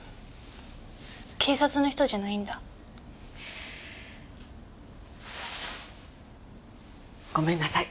警察の人じゃないんだ。ごめんなさい。